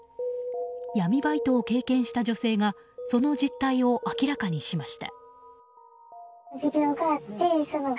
闇バイトを経験した女性がその実態を明らかにしました。